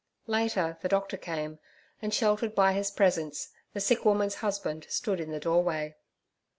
Later the doctor came, and sheltered by his presence the sick woman's husband stood in the doorway.